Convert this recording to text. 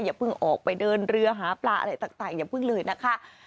อย่าเพิ่งออกไปเดินเรือหาปลาอะไรต่างอย่าเพิ่งเลยนะคะ